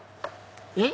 えっ？